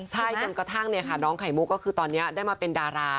ใช่จนกระทั่งน้องไข่มุกก็คือตอนนี้ได้มาเป็นดารา